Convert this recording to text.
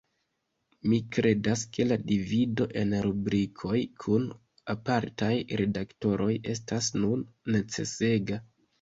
Mi kredas, ke la divido en rubrikoj kun apartaj redaktoroj estas nun necesega.